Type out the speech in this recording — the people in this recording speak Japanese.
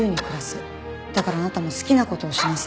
「だからあなたも好きな事をしなさい」って。